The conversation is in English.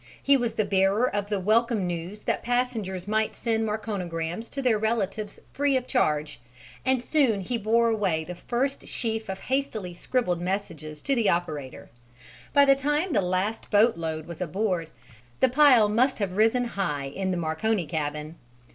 He was the bearer of the welcome news that passengers might send Marconigrams to their relatives free of charge, and soon he bore away the first sheaf of hastily scribbled messages to the operator; by the time the last boatload was aboard, the pile must have risen high in the Marconi cabin.